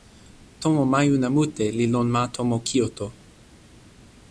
tomo majuna mute li lon ma tomo Kijoto.